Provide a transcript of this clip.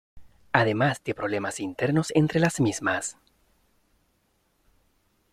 Además de problemas internos entre las mismas.